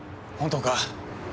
本当か！？